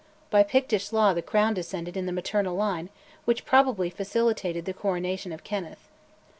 By Pictish law the crown descended in the maternal line, which probably facilitated the coronation of Kenneth.